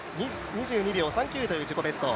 ２２秒３９という自己ベスト。